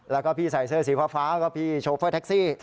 แล้วก็พี่ใส่เสื้อสีฟ้าก็พี่โชเฟอร์แท็กซี่